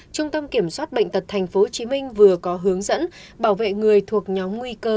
trung tâm kiểm soát bệnh tật tp hcm vừa có hướng dẫn bảo vệ người thuộc nhóm nguy cơ